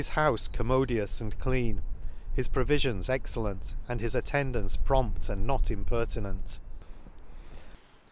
$£ houfe commodious and clean, his provi lions excellent, and his attendance prompt and not impertinent.